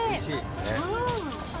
うん！